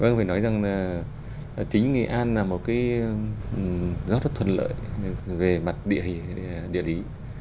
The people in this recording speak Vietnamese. vâng phải nói rằng là chính nghệ an là một cái giao thông thuận lợi về mặt địa lý